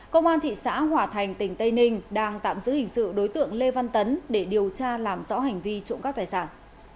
công an thị xã hòa thành tỉnh tây ninh đang tạm giữ hình sự đối tượng lê văn tấn để điều tra làm rõ hành vi trộm các tài sản